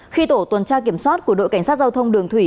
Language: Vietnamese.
khi tổ tuần tra kiểm soát của đội cảnh sát giao thông đường thủy